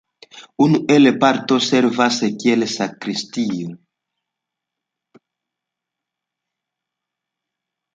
Unu el la partoj servas kiel sakristio.